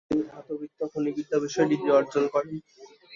তিনি ধাতুবিদ্যা ও খনিবিদ্যা বিষয়ে ডিগ্রি অর্জন করেন।